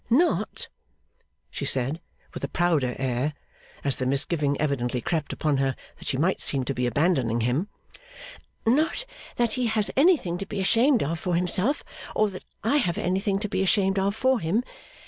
'Not,' she said, with a prouder air, as the misgiving evidently crept upon her that she might seem to be abandoning him, 'not that he has anything to be ashamed of for himself, or that I have anything to be ashamed of for him.